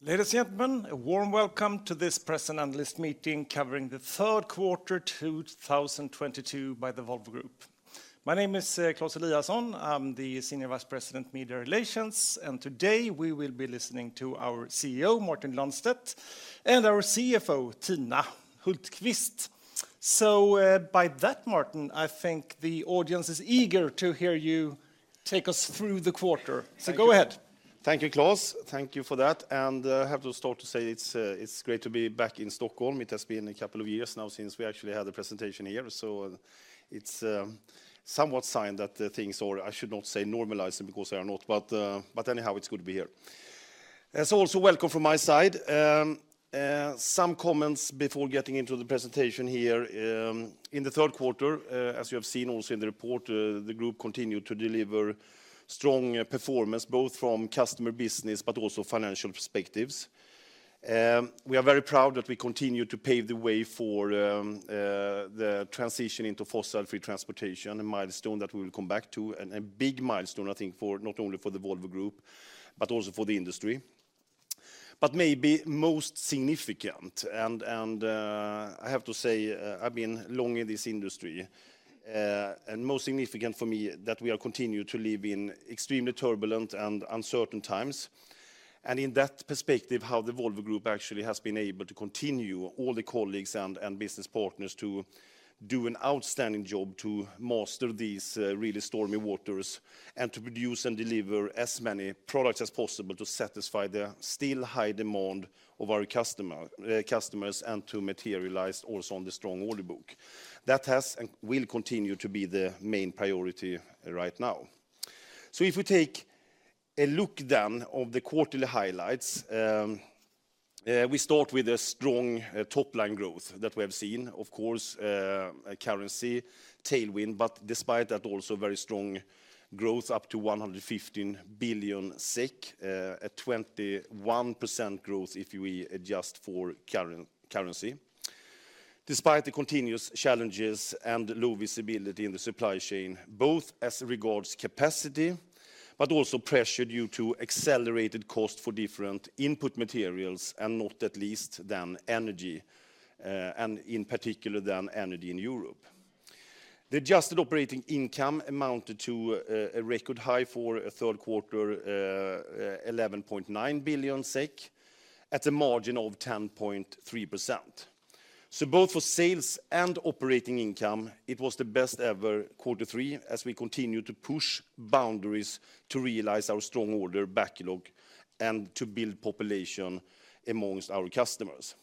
Ladies and gentlemen, a warm welcome to this press and analyst meeting covering the Q3 2022 by the Volvo Group. My name is Claes Eliasson. I'm the Senior Vice President, Media Relations, and today we will be listening to our CEO, Martin Lundstedt, and our CFO, Tina Hultkvist. With that, Martin, I think the audience is eager to hear you take us through the quarter. Go ahead. Thank you, Claes. Thank you for that. I have to start to say it's great to be back in Stockholm. It has been a couple of years now since we actually had a presentation here. It's somewhat a sign that things, or I should not say normalizing because they are not, but anyhow, it's good to be here. Also welcome from my side. Some comments before getting into the presentation here. In the Q3, as you have seen also in the report, the group continued to deliver strong performance, both from customer business but also financial perspectives. We are very proud that we continue to pave the way for the transition into fossil-free transportation, a milestone that we will come back to, and a big milestone, I think, for not only the Volvo Group but also for the industry. Maybe most significant, and I have to say, I've been long in this industry, and most significant for me that we are continued to live in extremely turbulent and uncertain times. In that perspective, how the Volvo Group actually has been able to continue all the colleagues and business partners to do an outstanding job to master these really stormy waters and to produce and deliver as many products as possible to satisfy the still high demand of our customers and to materialize also on the strong order book. That has and will continue to be the main priority right now. If we take a look then of the quarterly highlights, we start with a strong, top-line growth that we have seen, of course, a currency tailwind, but despite that, also very strong growth, up to SEK 115 billion, a 21% growth if we adjust for currency, despite the continuous challenges and low visibility in the supply chain, both as regards capacity but also pressure due to accelerated cost for different input materials, and not least, the energy, and in particular, the energy in Europe. The adjusted operating income amounted to a record high for a Q3, 11.9 billion SEK at a margin of 10.3%. Both for sales and operating income, it was the best ever quarter three as we continue to push boundaries to realize our strong order backlog and to build popularity amongst our customers.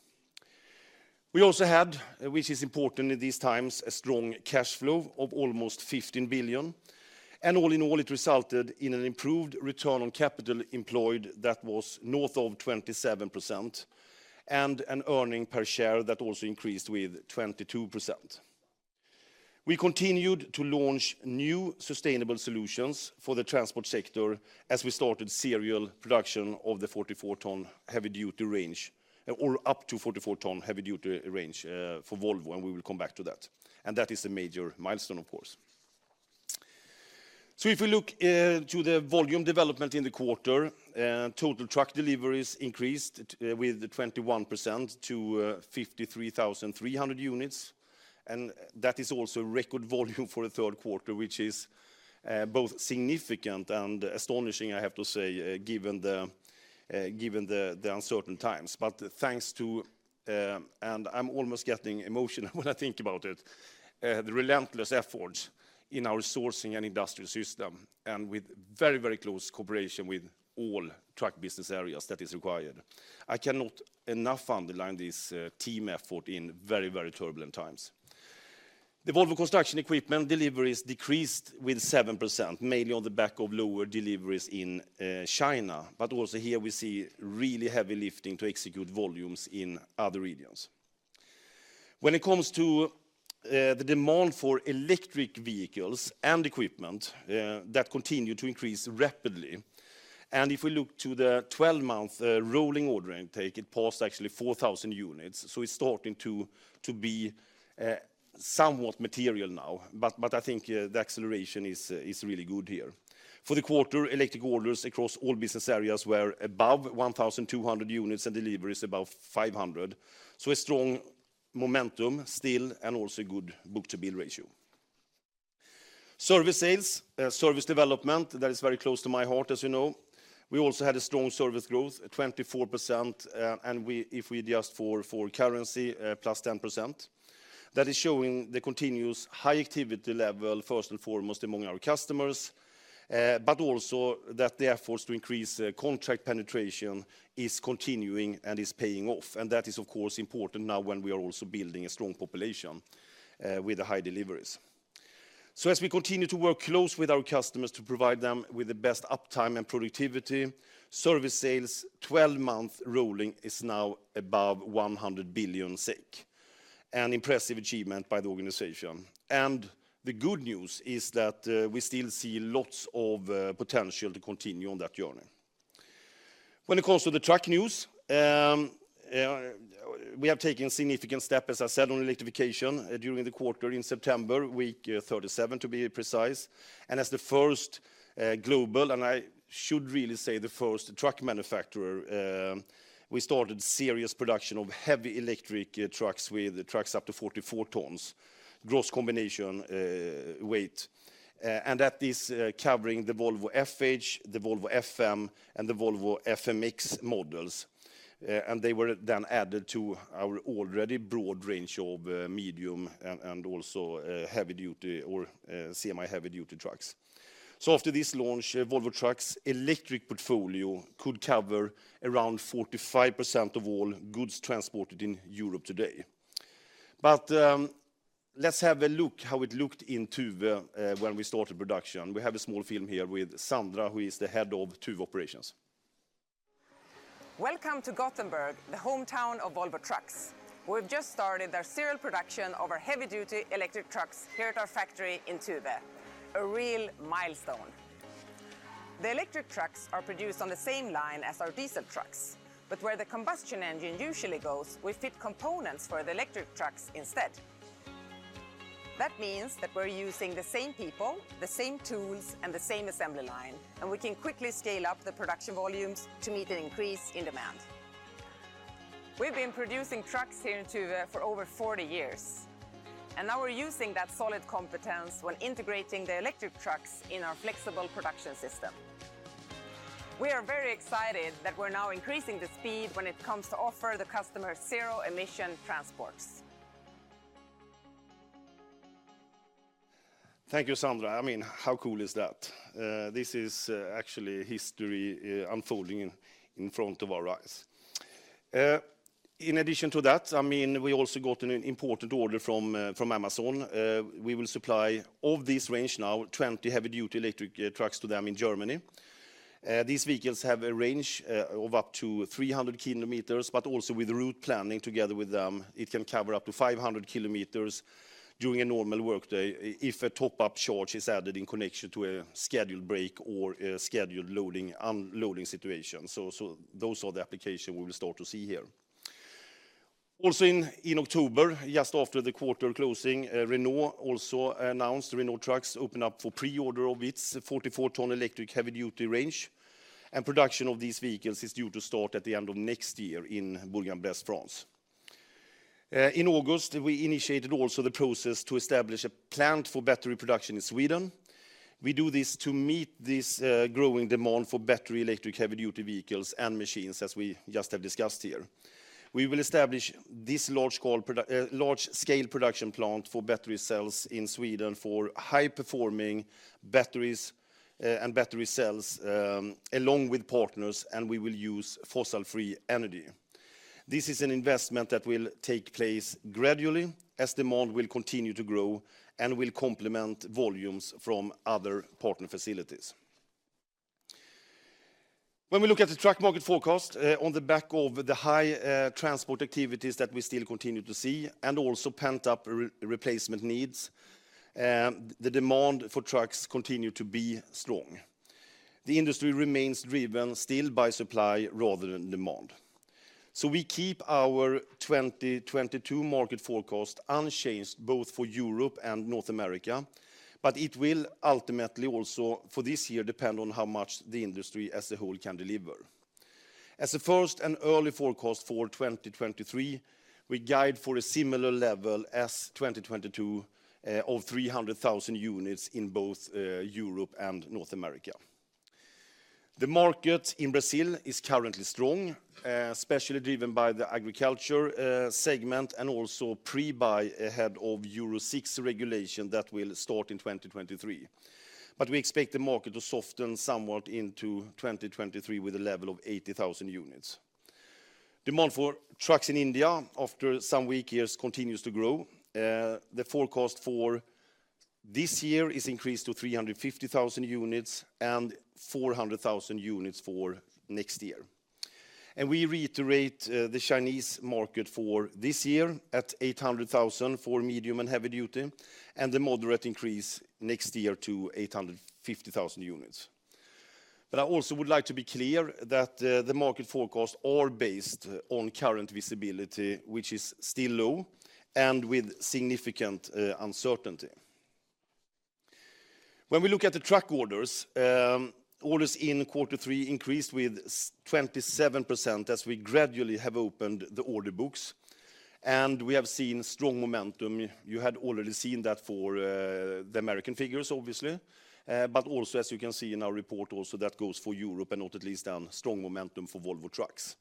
We also had, which is important in these times, a strong cash flow of almost 15 billion, and all in all, it resulted in an improved return on capital employed that was north of 27% and an earnings per share that also increased with 22%. We continued to launch new sustainable solutions for the transport sector as we started serial production of the 44-ton heavy-duty range, or up to 44-ton heavy-duty range, for Volvo, and we will come back to that. That is a major milestone, of course. If we look to the volume development in the quarter, total truck deliveries increased with 21% to 53,300 units. That is also record volume for the Q3, which is both significant and astonishing, I have to say, given the uncertain times. Thanks to, and I'm almost getting emotional when I think about it, the relentless efforts in our sourcing and industrial system and with very, very close cooperation with all truck business areas that is required. I cannot enough underline this team effort in very, very turbulent times. Volvo Construction Equipment deliveries decreased with 7%, mainly on the back of lower deliveries in China. Also here, we see really heavy lifting to execute volumes in other regions. When it comes to the demand for electric vehicles and equipment, that continued to increase rapidly. If we look to the 12-month rolling order intake, it passed actually 4,000 units, so it's starting to be somewhat material now, but I think the acceleration is really good here. For the quarter, electric orders across all business areas were above 1,200 units, and delivery is above 500, so a strong momentum still and also good book-to-bill ratio. Service sales, service development, that is very close to my heart, as you know. We also had a strong service growth, at 24%, and we, if we adjust for currency, plus 10%. That is showing the continuous high activity level, first and foremost, among our customers, but also that the efforts to increase contract penetration is continuing and is paying off. That is, of course, important now when we are also building a strong population with the high deliveries. As we continue to work close with our customers to provide them with the best uptime and productivity, service sales 12-month rolling is now above 100 billion, an impressive achievement by the organization. The good news is that we still see lots of potential to continue on that journey. When it comes to the truck news, we have taken significant step, as I said, on electrification during the quarter in September, week 37 to be precise. As the first global, and I should really say the first truck manufacturer, we started serious production of heavy electric trucks with the trucks up to 44 tons gross combination weight. That is covering the Volvo FH, the Volvo FM, and the Volvo FMX models. They were then added to our already broad range of medium and also heavy duty or semi-heavy-duty trucks. After this launch, Volvo Trucks electric portfolio could cover around 45% of all goods transported in Europe today. Let's have a look how it looked in Tuve when we started production. We have a small film here with Sandra, who is the head of Tuve operations. Welcome to Gothenburg, the hometown of Volvo Trucks. We've just started our serial production of our heavy duty electric trucks here at our factory in Tuve, a real milestone. The electric trucks are produced on the same line as our diesel trucks, but where the combustion engine usually goes, we fit components for the electric trucks instead. That means that we're using the same people, the same tools, and the same assembly line, and we can quickly scale up the production volumes to meet an increase in demand. We've been producing trucks here in Tuve for over 40 years, and now we're using that solid competence when integrating the electric trucks in our flexible production system. We are very excited that we're now increasing the speed when it comes to offer the customer zero emission transports. Thank you, Sandra. I mean, how cool is that? This is actually history unfolding in front of our eyes. In addition to that, I mean, we also got an important order from Amazon. We will supply of this range now 20 heavy-duty electric trucks to them in Germany. These vehicles have a range of up to 300 km, but also with route planning together with them, it can cover up to 500 km during a normal workday if a top-up charge is added in connection to a scheduled break or a scheduled loading, unloading situation. So those are the application we will start to see here. Also in October, just after the quarter closing, Renault also announced Renault Trucks opened up for pre-order of its 44-ton electric heavy-duty range. Production of these vehicles is due to start at the end of next year in Boulogne-Billancourt, France. In August, we initiated also the process to establish a plant for battery production in Sweden. We do this to meet this growing demand for battery electric heavy duty vehicles and machines, as we just have discussed here. We will establish this large scale production plant for battery cells in Sweden for high performing batteries and battery cells, along with partners, and we will use fossil-free energy. This is an investment that will take place gradually as demand will continue to grow and will complement volumes from other partner facilities. When we look at the truck market forecast, on the back of the high transport activities that we still continue to see and also pent-up replacement needs, the demand for trucks continue to be strong. The industry remains driven still by supply rather than demand. We keep our 2022 market forecast unchanged both for Europe and North America, but it will ultimately also for this year depend on how much the industry as a whole can deliver. As a first and early forecast for 2023, we guide for a similar level as 2022, of 300,000 units in both Europe and North America. The market in Brazil is currently strong, especially driven by the agriculture segment and also pre-buy ahead of Euro VI regulation that will start in 2023. We expect the market to soften somewhat into 2023 with a level of 80,000 units. Demand for trucks in India after some weak years continues to grow. The forecast for this year is increased to 350,000 units and 400,000 units for next year. We reiterate the Chinese market for this year at 800,000 for medium and heavy duty and a moderate increase next year to 850,000 units. I also would like to be clear that the market forecast are based on current visibility, which is still low and with significant uncertainty. When we look at the truck orders in quarter three increased with 27% as we gradually have opened the order books, and we have seen strong momentum. You had already seen that for the American figures obviously. also as you can see in our report also that goes for Europe and not least, strong momentum for Volvo Trucks.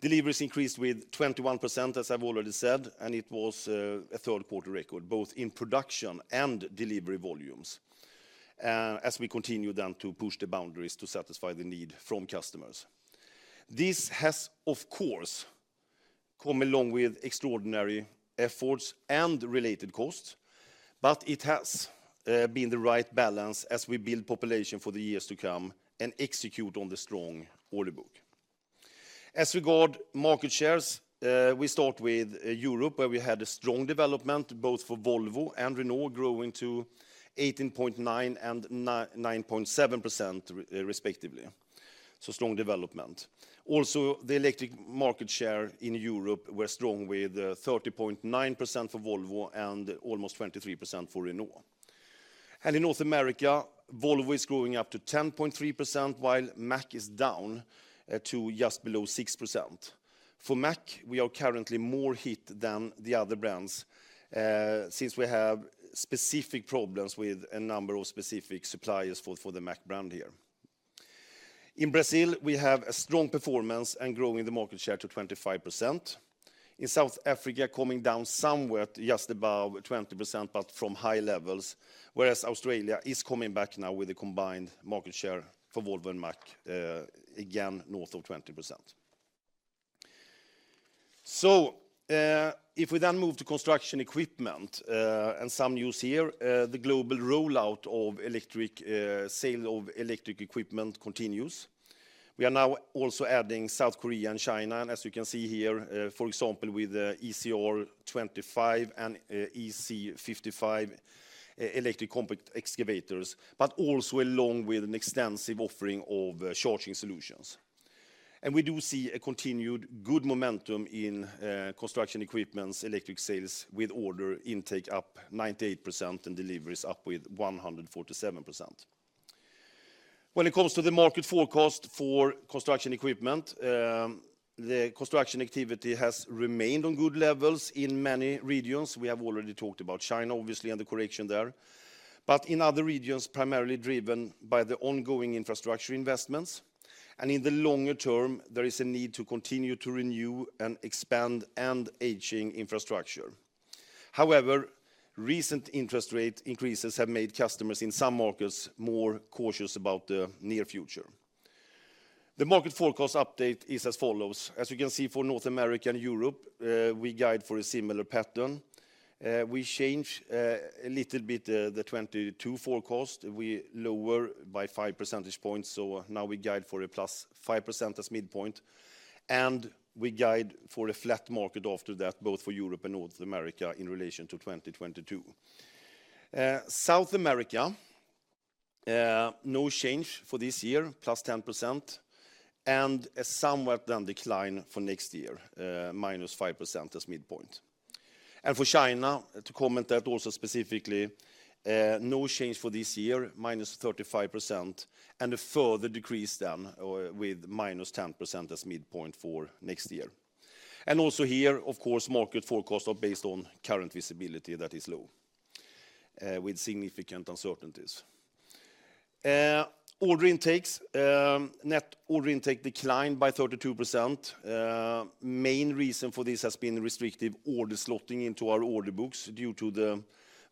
Deliveries increased with 21%, as I've already said, and it was a Q3 record, both in production and delivery volumes, as we continue to push the boundaries to satisfy the need from customers. This has, of course, come along with extraordinary efforts and related costs, but it has been the right balance as we build position for the years to come and execute on the strong order book. As regards market shares, we start with Europe, where we had a strong development both for Volvo and Renault growing to 18.9% and 9.7% respectively. Strong development. The electric market share in Europe was strong with 30.9% for Volvo and almost 23% for Renault. In North America, Volvo is growing up to 10.3% while Mack is down to just below 6%. For Mack, we are currently more hit than the other brands since we have specific problems with a number of specific suppliers for the Mack brand here. In Brazil, we have a strong performance and growing the market share to 25%. In South Africa, coming down somewhat just above 20% but from high levels, whereas Australia is coming back now with a combined market share for Volvo and Mack again north of 20%. If we then move to construction equipment and some news here, the global rollout of electric sale of electric equipment continues. We are now also adding South Korea and China, and as you can see here, for example, with ECR25 and EC55 electric compact excavators, but also along with an extensive offering of charging solutions. We do see a continued good momentum in construction equipment's electric sales with order intake up 98% and deliveries up with 147%. When it comes to the market forecast for construction equipment, the construction activity has remained on good levels in many regions. We have already talked about China, obviously, and the correction there. In other regions, primarily driven by the ongoing infrastructure investments, and in the longer term, there is a need to continue to renew and expand an aging infrastructure. However, recent interest rate increases have made customers in some markets more cautious about the near future. The market forecast update is as follows. As you can see for North America and Europe, we guide for a similar pattern. We change a little bit the 2022 forecast. We lower by 5% points, so now we guide for a +5% as midpoint, and we guide for a flat market after that, both for Europe and North America in relation to 2022. South America, no change for this year, +10%, and a somewhat then decline for next year, -5% as midpoint. For China, to comment that also specifically, no change for this year, -35%, and a further decrease then, with -10% as midpoint for next year. Also here, of course, market forecast are based on current visibility that is low, with significant uncertainties. Order intakes. Net order intake declined by 32%. Main reason for this has been restrictive order slotting into our order books due to the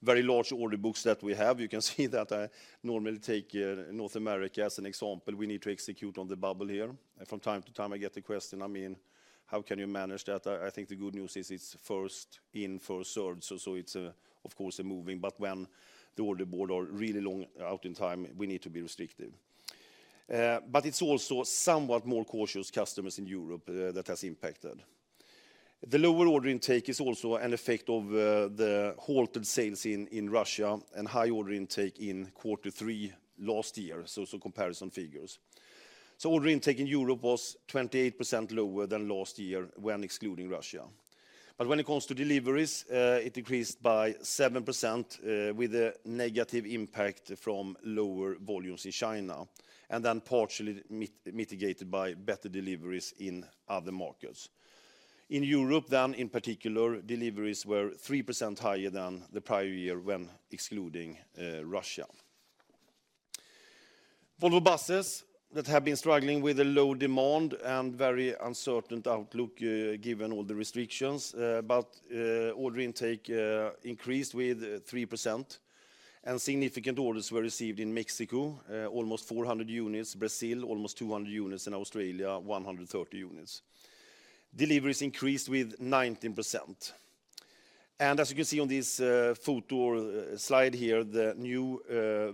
very large order books that we have. You can see that I normally take North America as an example. We need to execute on the bubble here. From time to time, I get the question, I mean, how can you manage that? I think the good news is it's first in, first served, so it's of course a moving. When the order books are really long out in time, we need to be restrictive. But it's also somewhat more cautious customers in Europe that has impacted. The lower order intake is also an effect of the halted sales in Russia and high order intake in quarter three last year, so comparison figures. Order intake in Europe was 28% lower than last year when excluding Russia. When it comes to deliveries, it decreased by 7%, with a negative impact from lower volumes in China, and then partially mitigated by better deliveries in other markets. In Europe, in particular, deliveries were 3% higher than the prior year when excluding Russia.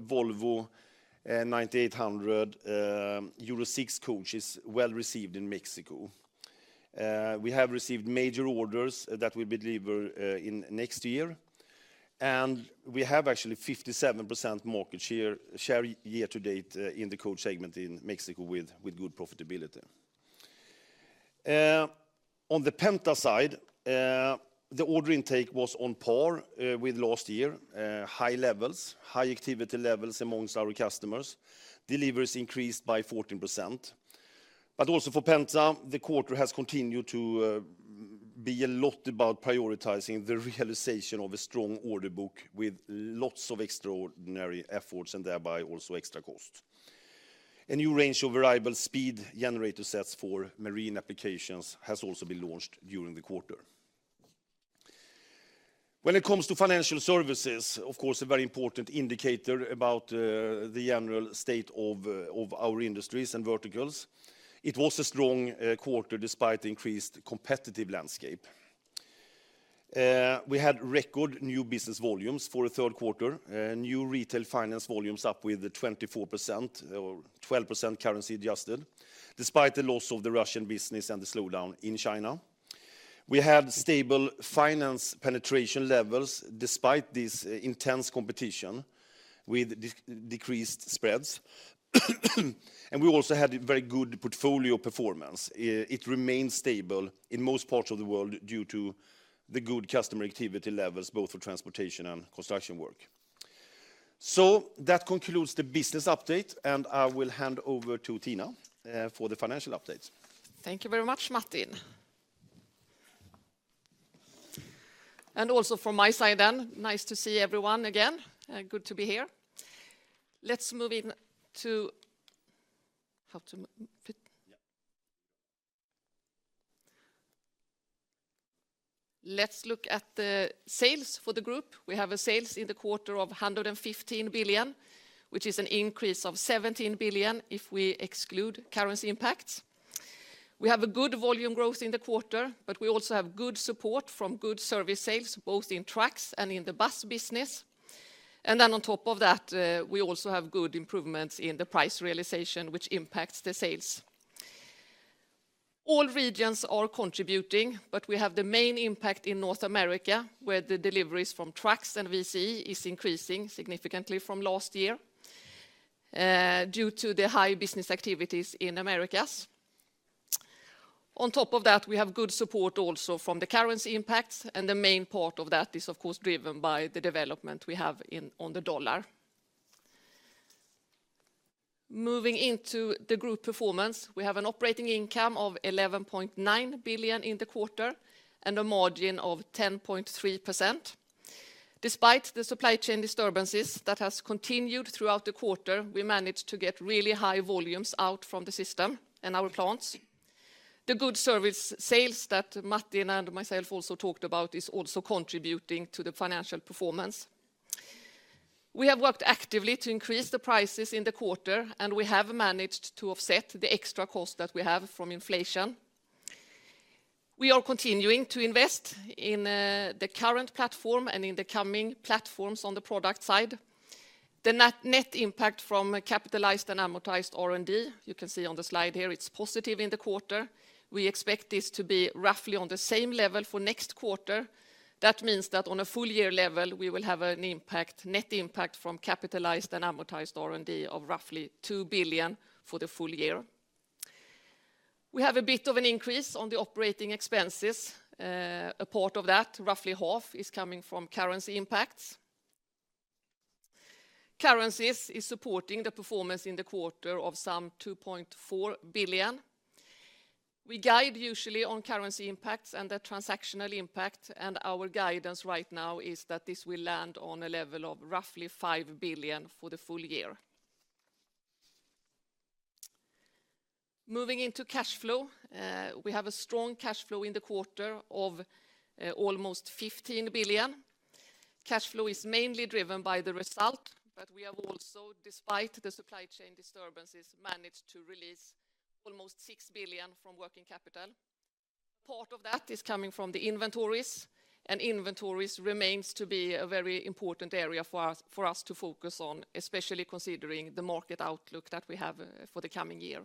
Volvo Buses that have been struggling with a low demand and very uncertain outlook, given all the restrictions, but order intake increased with 3%. Significant orders were received in Mexico, almost 400 units, Brazil, almost 200 units, and Australia, 130 units. Deliveries increased with 19%. As you can see on this photo or slide here, the new Volvo 9800 Euro 6 coach is well-received in Mexico. We have received major orders that we deliver in next year, and we have actually 57% market share year to date in the coach segment in Mexico with good profitability. On the Penta side, the order intake was on par with last year. High levels, high activity levels amongst our customers. Deliveries increased by 14%. Also for Penta, the quarter has continued to be a lot about prioritizing the realization of a strong order book with lots of extraordinary efforts and thereby also extra cost. A new range of variable speed generator sets for marine applications has also been launched during the quarter. When it comes to financial services, of course, a very important indicator about the general state of our industries and verticals. It was a strong quarter despite increased competitive landscape. We had record new business volumes for the Q3. New retail finance volumes up with 24%, or 12% currency adjusted, despite the loss of the Russian business and the slowdown in China. We had stable finance penetration levels despite this intense competition with decreased spreads. We also had a very good portfolio performance. It remains stable in most parts of the world due to the good customer activity levels, both for transportation and construction work. That concludes the business update, and I will hand over to Tina for the financial update. Thank you very much, Martin. Also from my side then, nice to see everyone again, good to be here. Let's move into. Yeah. Let's look at the sales for the group. We have sales in the quarter of 115 billion, which is an increase of 17 billion if we exclude currency impacts. We have a good volume growth in the quarter, but we also have good support from good service sales, both in trucks and in the bus business. On top of that, we also have good improvements in the price realization, which impacts the sales. All regions are contributing, but we have the main impact in North America, where the deliveries from trucks and VCE is increasing significantly from last year, due to the high business activities in Americas. On top of that, we have good support also from the currency impacts, and the main part of that is of course driven by the development we have in, on the dollar. Moving into the group performance, we have an operating income of 11.9 billion in the quarter and a margin of 10.3%. Despite the supply chain disturbances that has continued throughout the quarter, we managed to get really high volumes out from the system and our plants. The good service sales that Martin and myself also talked about is also contributing to the financial performance. We have worked actively to increase the prices in the quarter, and we have managed to offset the extra cost that we have from inflation. We are continuing to invest in the current platform and in the coming platforms on the product side. The net impact from capitalized and amortized R&D, you can see on the slide here, it's positive in the quarter. We expect this to be roughly on the same level for next quarter. That means that on a full year level, we will have an impact, net impact from capitalized and amortized R&D of roughly 2 billion for the full year. We have a bit of an increase on the operating expenses. A part of that, roughly half, is coming from currency impacts. Currencies is supporting the performance in the quarter of some 2.4 billion. We guide usually on currency impacts and the transactional impact, and our guidance right now is that this will land on a level of roughly 5 billion for the full year. Moving into cash flow. We have a strong cash flow in the quarter of almost 15 billion. Cash flow is mainly driven by the result, but we have also, despite the supply chain disturbances, managed to release almost 6 billion from working capital. Part of that is coming from the inventories, and inventories remains to be a very important area for us to focus on, especially considering the market outlook that we have for the coming year.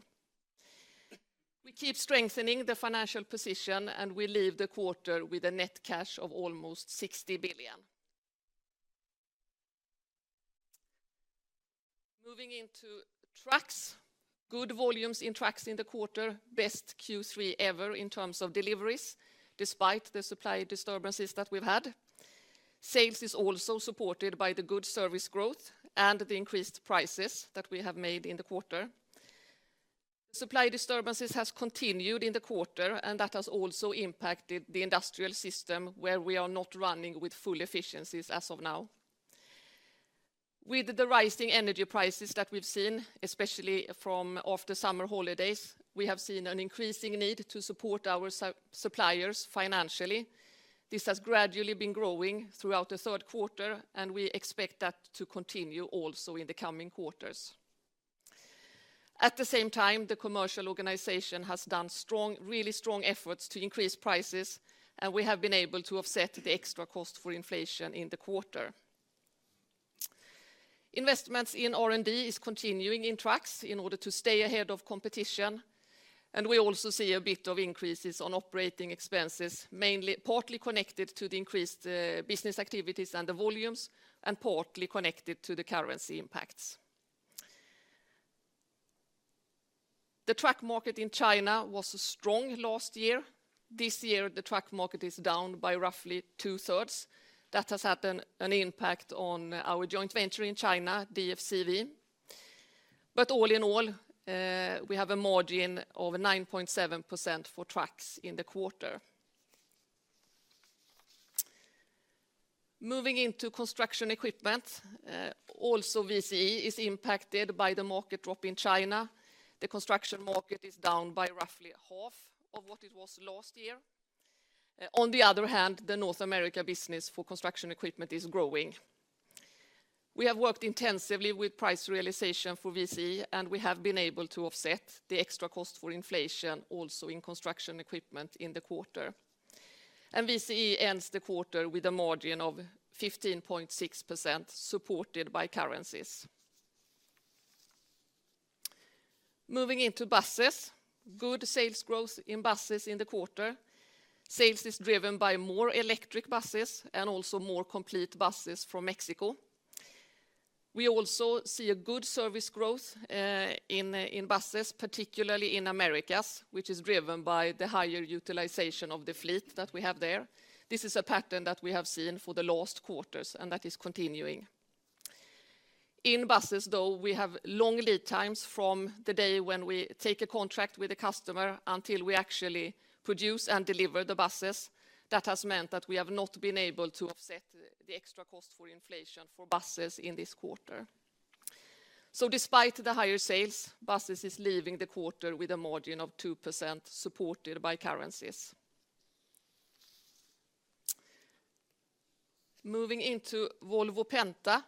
We keep strengthening the financial position, and we leave the quarter with a net cash of almost 60 billion. Moving into trucks. Good volumes in trucks in the quarter. Best Q3 ever in terms of deliveries, despite the supply disturbances that we've had. Sales is also supported by the good service growth and the increased prices that we have made in the quarter. Supply disturbances has continued in the quarter, and that has also impacted the industrial system where we are not running with full efficiencies as of now. With the rising energy prices that we've seen, especially from after summer holidays, we have seen an increasing need to support our suppliers financially. This has gradually been growing throughout the Q3, and we expect that to continue also in the coming quarters. At the same time, the commercial organization has done strong, really strong efforts to increase prices, and we have been able to offset the extra cost for inflation in the quarter. Investments in R&D is continuing in trucks in order to stay ahead of competition, and we also see a bit of increases on operating expenses, mainly, partly connected to the increased business activities and the volumes, and partly connected to the currency impacts. The truck market in China was strong last year. This year, the truck market is down by roughly two-thirds. That has had an impact on our joint venture in China, DFCV. All in all, we have a margin of 9.7% for trucks in the quarter. Moving into construction equipment, also VCE is impacted by the market drop in China. The construction market is down by roughly half of what it was last year. On the other hand, the North America business for construction equipment is growing. We have worked intensively with price realization for VCE, and we have been able to offset the extra cost for inflation also in construction equipment in the quarter. VCE ends the quarter with a margin of 15.6%, supported by currencies. Moving into buses. Good sales growth in buses in the quarter. Sales is driven by more electric buses and also more complete buses from Mexico. We also see a good service growth, in buses, particularly in Americas, which is driven by the higher utilization of the fleet that we have there. This is a pattern that we have seen for the last quarters, and that is continuing. In buses, though, we have long lead times from the day when we take a contract with a customer until we actually produce and deliver the buses. That has meant that we have not been able to offset the extra cost for inflation for buses in this quarter. Despite the higher sales, buses is leaving the quarter with a margin of 2% supported by currencies. Moving into Volvo Penta.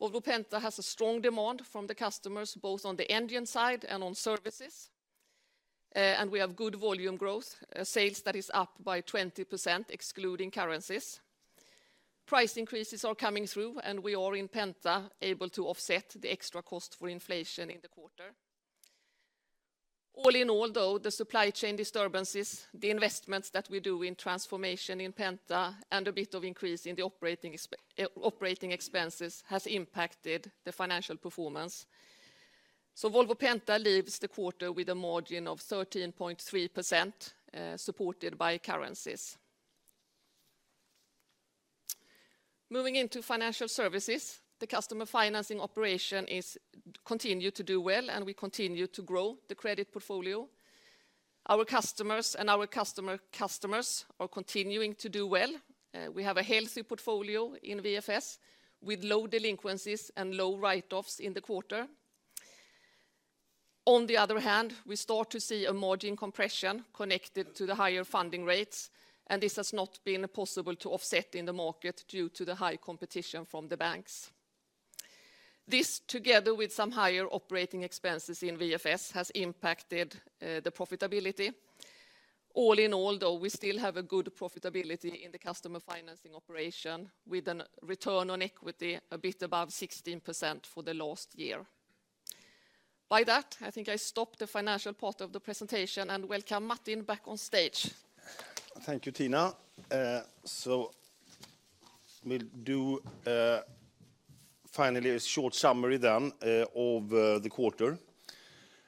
Volvo Penta has a strong demand from the customers, both on the engine side and on services. And we have good volume growth, sales that is up by 20% excluding currencies. Price increases are coming through, and we are in Penta able to offset the extra cost for inflation in the quarter. All in all, though, the supply chain disturbances, the investments that we do in transformation in Volvo Penta and a bit of increase in the operating expenses has impacted the financial performance. Volvo Penta leaves the quarter with a margin of 13.3%, supported by currencies. Moving into financial services, the customer financing operation continues to do well, and we continue to grow the credit portfolio. Our customers are continuing to do well. We have a healthy portfolio in VFS with low delinquencies and low write-offs in the quarter. On the other hand, we start to see a margin compression connected to the higher funding rates, and this has not been possible to offset in the market due to the high competition from the banks. This, together with some higher operating expenses in VFS, has impacted the profitability. All in all, though, we still have a good profitability in the customer financing operation with a return on equity a bit above 16% for the last year. By that, I think I stop the financial part of the presentation and welcome Martin back on stage. Thank you, Tina. We'll do finally a short summary then of the quarter.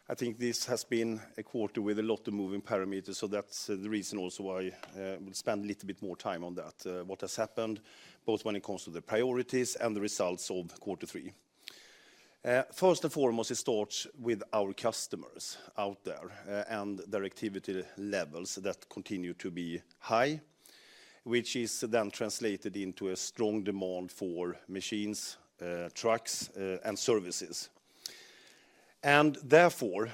I think this has been a quarter with a lot of moving parameters, so that's the reason also I will spend a little bit more time on that, what has happened, both when it comes to the priorities and the results of quarter three. First and foremost, it starts with our customers out there, and their activity levels that continue to be high, which is then translated into a strong demand for machines, trucks, and services. Therefore,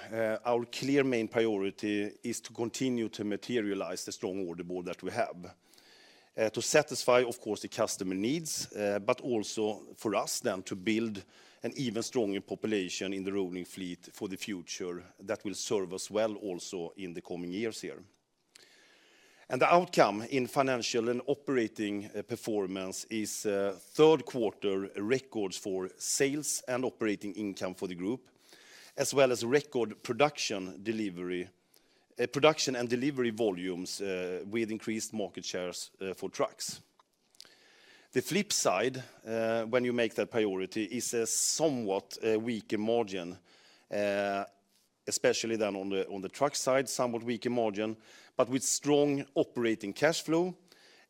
our clear main priority is to continue to materialize the strong order board that we have, to satisfy, of course, the customer needs, but also for us then to build an even stronger population in the rolling fleet for the future that will serve us well also in the coming years here. The outcome in financial and operating performance is Q3 records for sales and operating income for the group, as well as record production and delivery volumes, with increased market shares for trucks. The flip side, when you make that priority is a somewhat weaker margin, especially then on the truck side, but with strong operating cash flow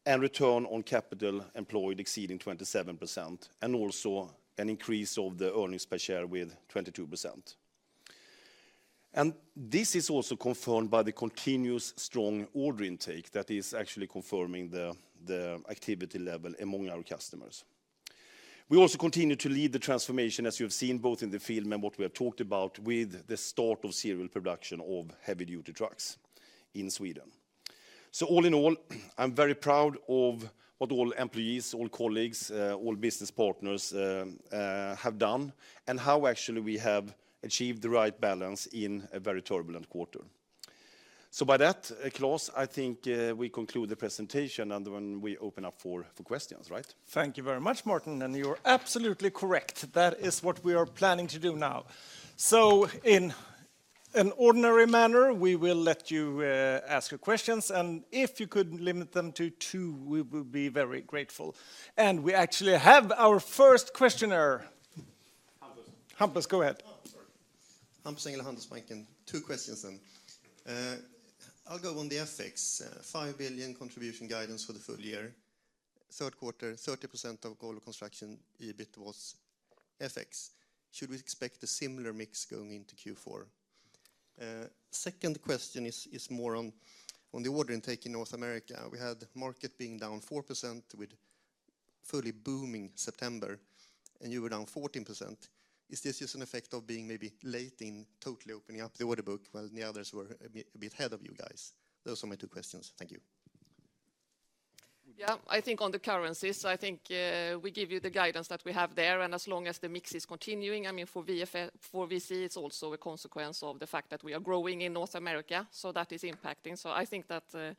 and return on capital employed exceeding 27%, and also an increase of the earnings per share with 22%. This is also confirmed by the continuous strong order intake that is actually confirming the activity level among our customers. We also continue to lead the transformation, as you have seen both in the field and what we have talked about, with the start of serial production of heavy-duty trucks in Sweden. All in all, I'm very proud of what all employees, all colleagues, all business partners have done and how actually we have achieved the right balance in a very turbulent quarter. By that, Claes, I think we conclude the presentation and then we open up for questions, right? Thank you very much, Martin, and you're absolutely correct. That is what we are planning to do now. So in an ordinary manner, we will let you ask your questions, and if you could limit them to two, we would be very grateful. We actually have our first questioner. Hampus. Hampus, go ahead. Oh, sorry. Hampus Engellau, Handelsbanken. Two questions. I'll go on the FX. 5 billion contribution guidance for the full year. Q3, 30% of global construction EBIT was FX. Should we expect a similar mix going into Q4? Second question is more on the order intake in North America. We had market being down 4% with fully booming September, and you were down 14%. Is this just an effect of being maybe late in totally opening up the order book while the others were a bit ahead of you guys? Those are my two questions. Thank you. Yeah. I think on the currencies, I think, we give you the guidance that we have there, and as long as the mix is continuing, I mean, for VC, it's also a consequence of the fact that we are growing in North America, so that is impacting. I think that,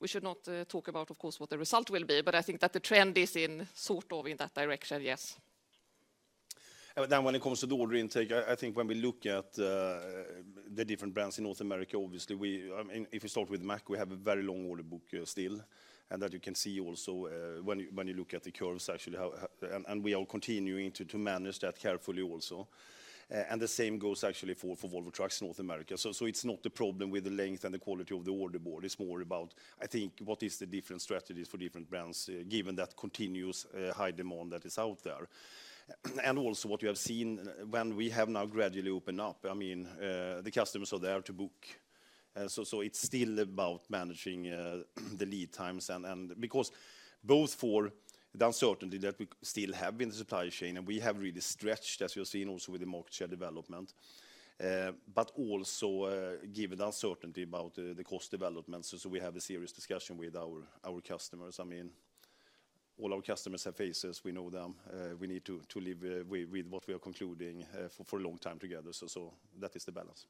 We should not talk about, of course, what the result will be, but I think that the trend is in sort of that direction, yes. When it comes to the order intake, I think when we look at the different brands in North America, obviously we if you start with Mack, we have a very long order book still, and that you can see also when you look at the curves actually how we are continuing to manage that carefully also. The same goes actually for Volvo Trucks North America. It's not the problem with the length and the quality of the order book. It's more about, I think, what are the different strategies for different brands given that continuous high demand that is out there. What we have seen when we have now gradually opened up, I mean, the customers are there to book. It's still about managing the lead times and because both for the uncertainty that we still have in the supply chain, and we have really stretched, as you have seen also with the market share development, but also given the uncertainty about the cost developments, so we have a serious discussion with our customers. I mean, all our customers have faces. We know them. We need to live with what we are concluding for a long time together, so that is the balance.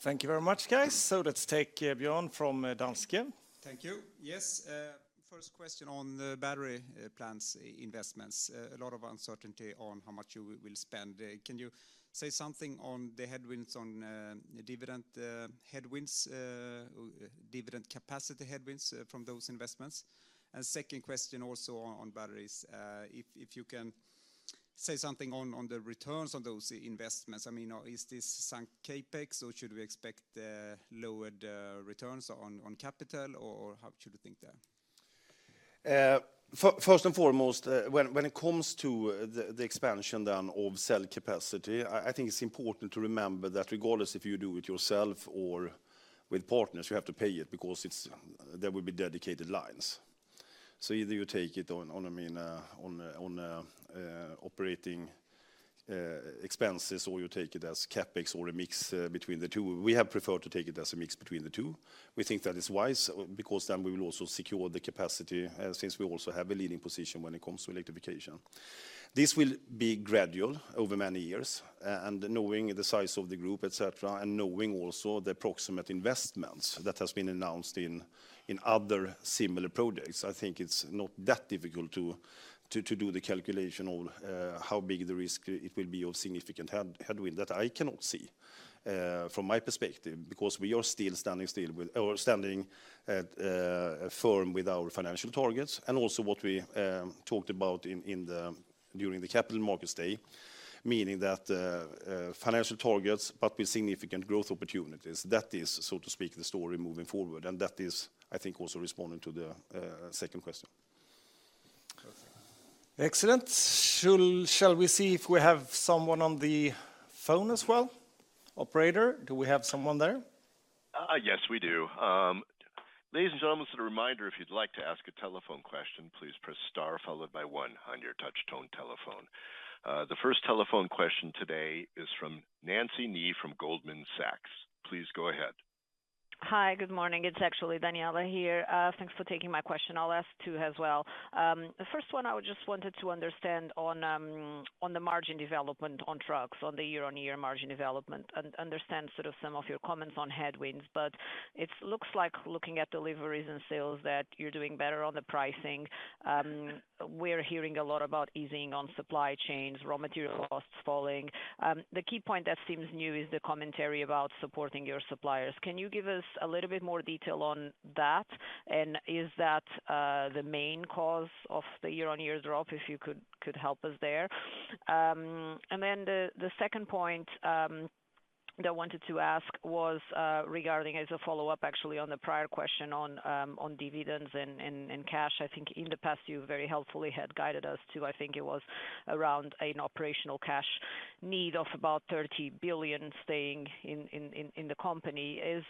Thank you very much, guys. Let's take Bjorn from Danske. Thank you. Yes, first question on the battery plans, investments. A lot of uncertainty on how much you will spend. Can you say something on the headwinds on dividend capacity from those investments? Second question also on batteries. If you can say something on the returns on those investments. I mean, is this some CapEx, or should we expect lowered returns on capital, or how should we think there? First and foremost, when it comes to the expansion then of cell capacity, I think it's important to remember that regardless if you do it yourself or with partners, you have to pay it because there will be dedicated lines. Either you take it on, I mean, operating expenses, or you take it as CapEx or a mix between the two. We have preferred to take it as a mix between the two. We think that is wise because then we will also secure the capacity, since we also have a leading position when it comes to electrification. This will be gradual over many years, and knowing the size of the group, et cetera, and knowing also the approximate investments that has been announced in other similar projects, I think it's not that difficult to do the calculation on how big the risk it will be of significant headwind. That I cannot see from my perspective, because we are standing firm with our financial targets and also what we talked about during the Capital Markets Day, meaning that financial targets but with significant growth opportunities. That is, so to speak, the story moving forward, and that is, I think, also responding to the second question. Excellent. Shall we see if we have someone on the phone as well? Operator, do we have someone there? Yes, we do. Ladies and gentlemen, as a reminder, if you'd like to ask a telephone question, please press star followed by one on your touch tone telephone. The first telephone question today is from Nancy Nie from Goldman Sachs. Please go ahead. Hi, good morning. It's actually Daniela here. Thanks for taking my question. I'll ask two as well. The first one I just wanted to understand on the margin development on trucks, on the year-on-year margin development. Understand sort of some of your comments on headwinds, but it looks like looking at deliveries and sales that you're doing better on the pricing. We're hearing a lot about easing on supply chains, raw material costs falling. The key point that seems new is the commentary about supporting your suppliers. Can you give us a little bit more detail on that? And is that the main cause of the year-on-year drop, if you could help us there? The second point that I wanted to ask was regarding, as a follow-up actually on the prior question on dividends and cash. I think in the past you very helpfully had guided us to, I think it was around an operational cash need of about 30 billion staying in the company. As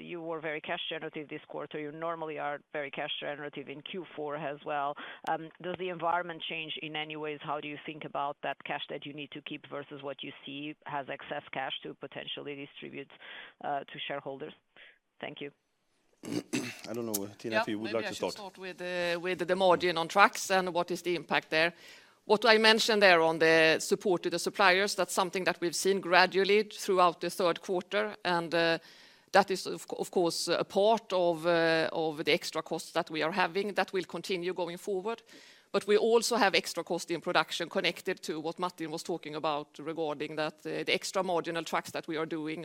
you were very cash generative this quarter. You normally are very cash generative in Q4 as well. Does the environment change in any ways? How do you think about that cash that you need to keep versus what you see as excess cash to potentially distribute to shareholders? Thank you. I don't know, Tina, if you would like to start. Yeah. Maybe I should start with the margin on trucks and what is the impact there. What I mentioned there on the support to the suppliers, that's something that we've seen gradually throughout the Q3, and that is of course a part of the extra costs that we are having that will continue going forward. We also have extra cost in production connected to what Martin was talking about regarding that the extra marginal trucks that we are doing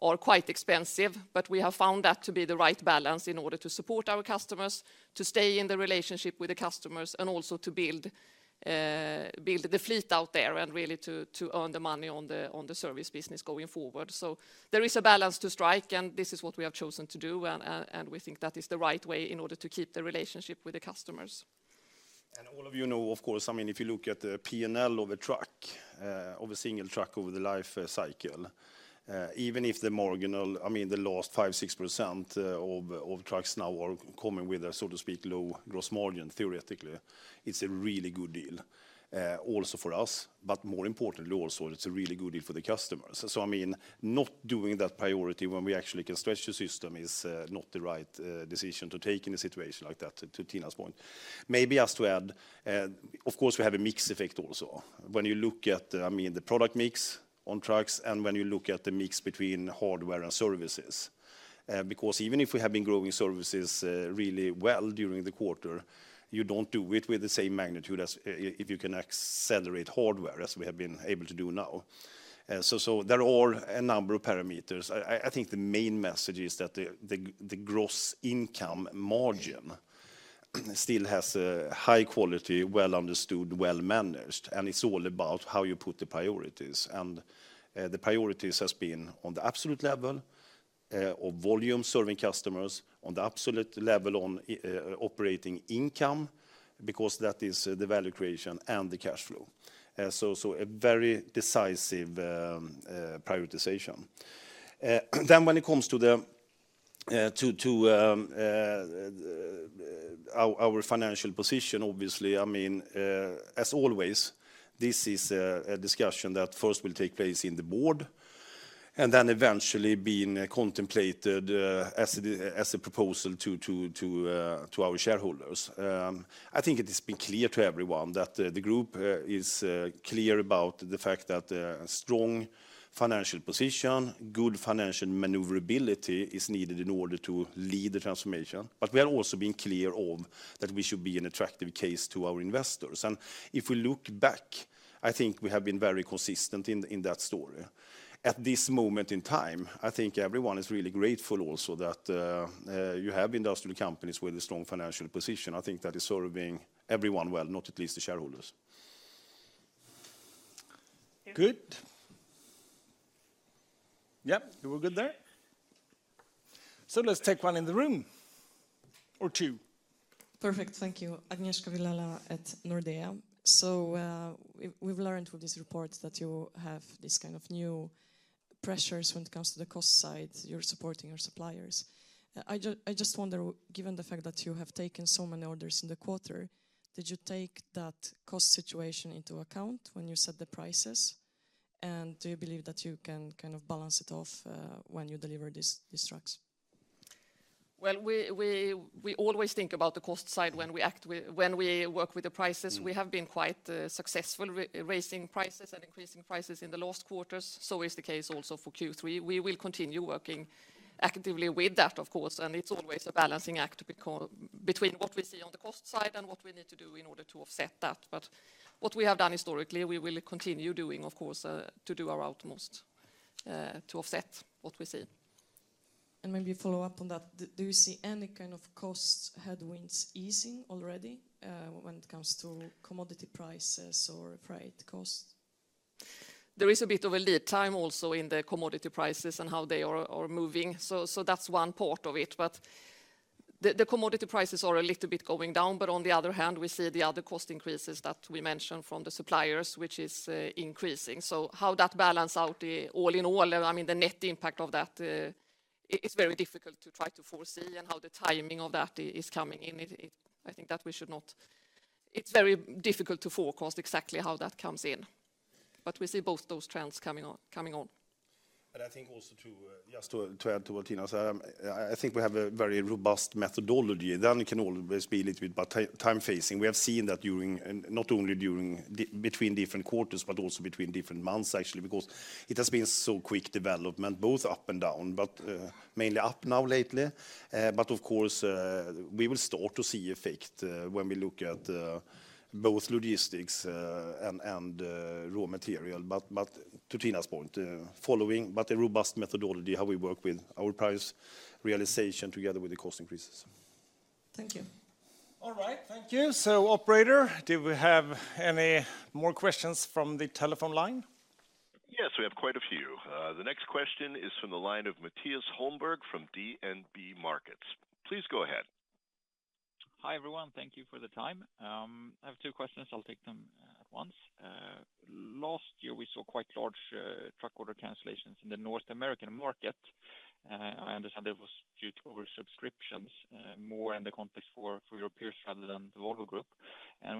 are quite expensive. We have found that to be the right balance in order to support our customers, to stay in the relationship with the customers, and also to build the fleet out there and really to earn the money on the service business going forward. There is a balance to strike, and this is what we have chosen to do, and we think that is the right way in order to keep the relationship with the customers. All of you know, of course, I mean, if you look at the P&L of a truck, of a single truck over the life cycle, even if the marginal, I mean, the last 5%-6%, of trucks now are coming with a, so to speak, low gross margin, theoretically, it's a really good deal, also for us. More importantly also, it's a really good deal for the customers. I mean, not doing that priority when we actually can stretch the system is not the right decision to take in a situation like that, to Tina's point. Maybe just to add, of course, we have a mix effect also. When you look at, I mean, the product mix on trucks, and when you look at the mix between hardware and services. Because even if we have been growing services really well during the quarter, you don't do it with the same magnitude as if you can accelerate hardware as we have been able to do now. There are a number of parameters. I think the main message is that the gross income margin still has a high quality, well understood, well-managed, and it's all about how you put the priorities. The priorities has been on the absolute level of volume serving customers, on the absolute level on operating income, because that is the value creation and the cash flow. A very decisive prioritization. When it comes to our financial position, obviously, I mean, as always, this is a discussion that first will take place in the board and then eventually being contemplated as a proposal to our shareholders. I think it has been clear to everyone that the group is clear about the fact that strong financial position, good financial maneuverability is needed in order to lead the transformation. We are also being clear about the fact that we should be an attractive case to our investors. If we look back, I think we have been very consistent in that story. At this moment in time, I think everyone is really grateful also that you have industrial companies with a strong financial position. I think that is serving everyone well, not least the shareholders. Good. Yeah. You were good there? Let's take one in the room or two. Perfect. Thank you. Agnieszka Vilela at Nordea. We've learned through this report that you have this kind of new pressures when it comes to the cost side, you're supporting your suppliers. I just wonder, given the fact that you have taken so many orders in the quarter, did you take that cost situation into account when you set the prices? Do you believe that you can kind of balance it off when you deliver these trucks? Well, we always think about the cost side when we work with the prices. Mm. We have been quite successful raising prices and increasing prices in the last quarters. Is the case also for Q3. We will continue working actively with that, of course, and it's always a balancing act between what we see on the cost side and what we need to do in order to offset that. What we have done historically, we will continue doing, of course, to do our utmost to offset what we see. Maybe follow up on that. Do you see any kind of cost headwinds easing already, when it comes to commodity prices or freight costs? There is a bit of a lead time also in the commodity prices and how they are moving, so that's one part of it. The commodity prices are a little bit going down, but on the other hand, we see the other cost increases that we mentioned from the suppliers, which is increasing. How that balance out, all in all, I mean, the net impact of that, it's very difficult to try to foresee and how the timing of that is coming in. It's very difficult to forecast exactly how that comes in, but we see both those trends coming on. I think also just to add to what Tina said, I think we have a very robust methodology. Then it can always be a little bit about time phasing. We have seen that, and not only during, between different quarters, but also between different months, actually, because it has been so quick development, both up and down, but mainly up now lately. But of course, we will start to see effect when we look at both logistics and raw material. To Tina's point, following a robust methodology, how we work with our price realization together with the cost increases. Thank you. All right. Thank you. Operator, do we have any more questions from the telephone line? Yes, we have quite a few. The next question is from the line of Mattias Holmberg from DNB Markets. Please go ahead. Hi, everyone. Thank you for the time. I have two questions. I'll take them at once. Last year, we saw quite large truck order cancellations in the North American market. I understand it was due to oversubscriptions, more in the context for your peers rather than the Volvo Group.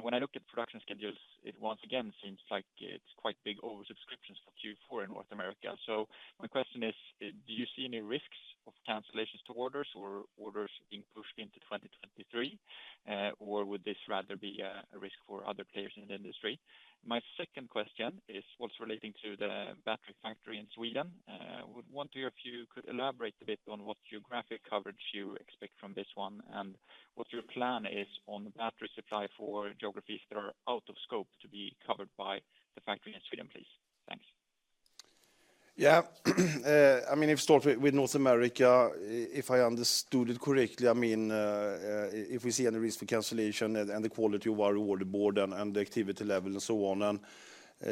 When I look at production schedules, it once again seems like it's quite big oversubscriptions for Q4 in North America. My question is, do you see any risks of cancellations to orders or orders being pushed into 2023? Or would this rather be a risk for other players in the industry? My second question is what's relating to the battery factory in Sweden. Would want to hear if you could elaborate a bit on what geographic coverage you expect from this one and what your plan is on battery supply for geographies that are out of scope to be covered by the factory in Sweden, please. Thanks. Yeah. I mean, I start with North America, if I understood it correctly, I mean, if we see any risk for cancellation and the quality of our order book and the activity level and so on. We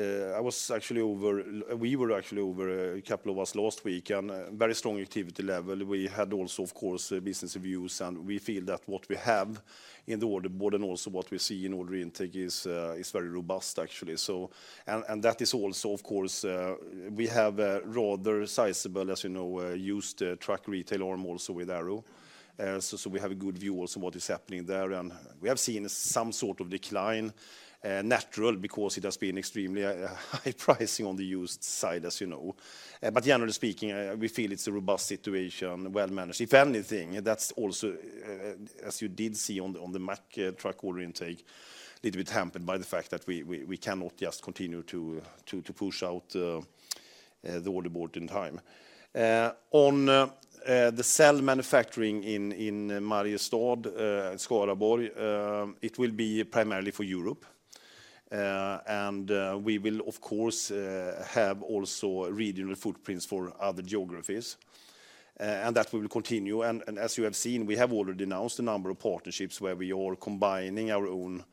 were actually over, a couple of us, last week, and very strong activity level. We had also, of course, business reviews, and we feel that what we have in the order book and also what we see in order intake is very robust, actually. That is also, of course, we have a rather sizable, as you know, used truck retail arm also with Arrow. So we have a good view also what is happening there. We have seen some sort of decline, natural because it has been extremely high pricing on the used side, as you know. Generally speaking, we feel it's a robust situation, well-managed. If anything, that's also as you did see on the Mack Trucks order intake, little bit hampered by the fact that we cannot just continue to push out the order book in time. On the cab manufacturing in Mariestad, Skaraborg, it will be primarily for Europe, and we will of course have also regional footprints for other geographies, and that we will continue. As you have seen, we have already announced a number of partnerships where we are combining our own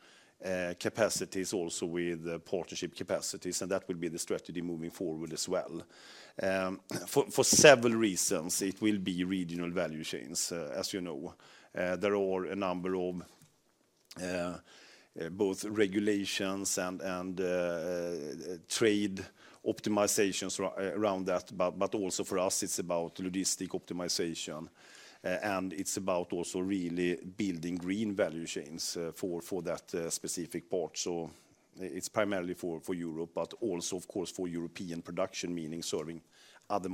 capacities also with partnership capacities, and that will be the strategy moving forward as well. For several reasons, it will be regional value chains. As you know, there are a number of both regulations and trade optimizations around that, but also for us it's about logistics optimization, and it's about also really building green value chains for that specific part. It's primarily for Europe, but also of course for European production, meaning serving other